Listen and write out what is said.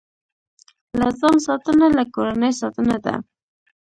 له ځان ساتنه، له کورنۍ ساتنه ده.